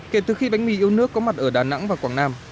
kể từ khi bánh mì yêu nước có mặt ở đà nẵng và quảng nam